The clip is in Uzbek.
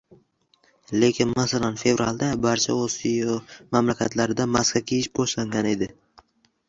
Lekin masalan Fevralda, barcha Osiyo mamlakatlarida maska kiyish boshlangan edi.